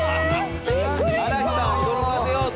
荒木さんを驚かせようと。